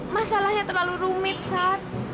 masalahnya terlalu rumit sar